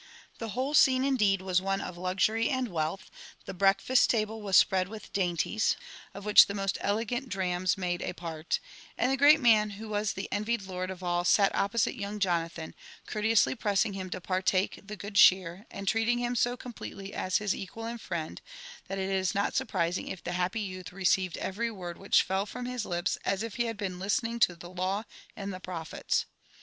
The whole scene indeed was one of luxury and wealth : the breakfast^ laUe wu spread with dainties, of which the most <' elegant drams" tfnade a part ; and the great man who was the envied lord of all sat opposite young Jonathan, courteously pressing him to partake the good cheer, and treating him so completely as his equal and friend, that it if not surprising if the happy youth received every word which fdl from his lips as if he had been listening to the law and the prophets.